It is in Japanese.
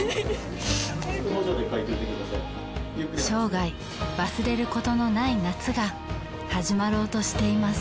生涯忘れることのない夏が始まろうとしています。